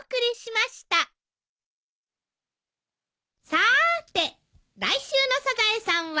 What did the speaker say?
さーて来週の『サザエさん』は？